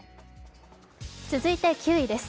続いて９位です。